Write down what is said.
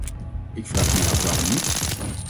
Ik vraag mij af waarom niet.